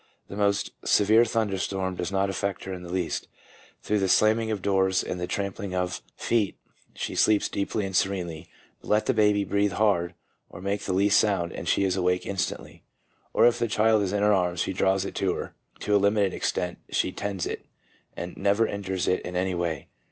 The most severe thunderstorm does not affect her in the least, through the slamming of doors and the trampling of feet she sleeps deeply and serenely. But let the baby breathe hard, or make the least sound, and she is awake instantly. Or if the child is in her arms she draws it to her, to a limited extent she tends it, and never injures it in any way.